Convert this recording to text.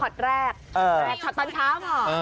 ทอดแรกตอนเช้าเหรอ